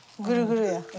グルグルや。